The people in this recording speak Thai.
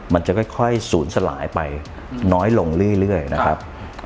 มันจะค่อยศูนย์สลายไปน้อยลงเรื่อยนะครับ